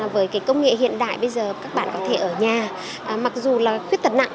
với công nghệ hiện đại bây giờ các bạn có thể ở nhà mặc dù là khuyết tật nặng